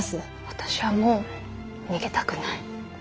私はもう逃げたくない。